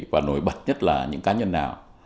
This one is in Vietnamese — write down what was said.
và nổi bật nhất là những cá nhân nào